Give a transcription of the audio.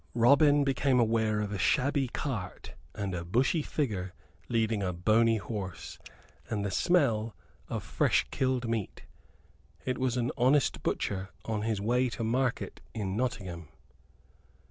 Robin became aware of a shabby cart and a bushy figure leading a bony horse, and the smell of fresh killed meat. It was an honest butcher on his way to market in Nottingham.